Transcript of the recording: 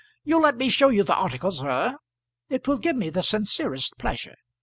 You'll let me show you the articles, sir. It will give me the sincerest pleasure."